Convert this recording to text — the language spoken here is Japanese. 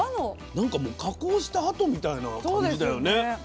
なんかもう加工したあとみたいな感じだよね。